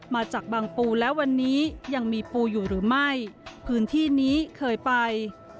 มาจากบางปูและวันนี้ยังมีปูอยู่หรือไม่พื้นที่นี้เคยไป